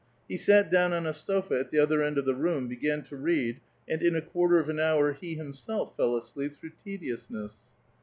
He sat down on a sofa, at the other end of the room, began to read, and in a quarter of an hour, he himself fell asleep through tediousness.